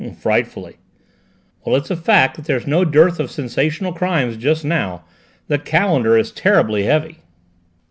"Frightfully." "Well, it's a fact that there's no dearth of sensational crime just now. The calendar is terribly heavy."